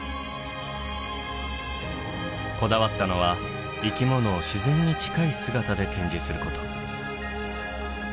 こだわったのは生き物を自然に近い姿で展示すること。